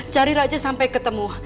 cari raja sampai ketemu